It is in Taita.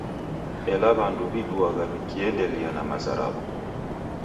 Ela w'andu w'iduagha w'ikiendelia na maza raw'o.